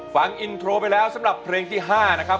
ฟังอินโทรไปแล้วสำหรับเพลงที่๕นะครับ